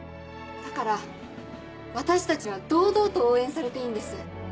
だから私たちは堂々と応援されていいんです。